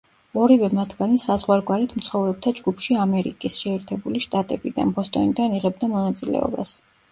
ორივე მათგანი საზღვარგარეთ მცხოვრებთა ჯგუფში ამერიკის შეერთებული შტატებიდან, ბოსტონიდან იღებდა მონაწილეობას.